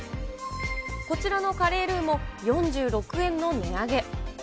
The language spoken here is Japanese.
こちらのカレールーも４６円の値上げ。